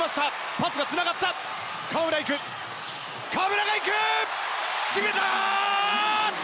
パスがつながった河村が行く決めた！